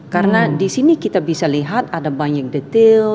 karena di sini kita bisa lihat ada banyak detail